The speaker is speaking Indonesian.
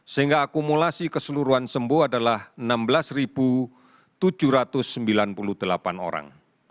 sehingga akumulasi keseluruhan sembuh adalah enam belas tujuh ratus sembilan puluh delapan orang